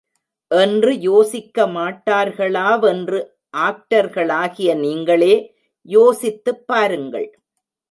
என்று யோசிக்கமாட்டார்களாவென்று ஆக்டர்களாகிய நீங்களே யோசித்துப் பாருங்கள்.